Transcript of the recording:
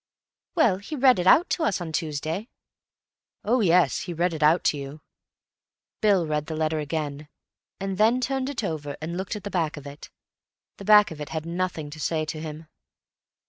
"Well, he read it out to us on Tuesday." "Oh, yes! he read it out to you." Bill read the letter again, and then turned it over and looked at the back of it. The back of it had nothing to say to him.